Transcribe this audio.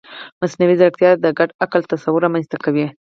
مصنوعي ځیرکتیا د ګډ عقل تصور رامنځته کوي.